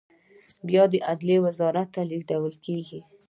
بیا عدلیې وزارت ته لیږل کیږي.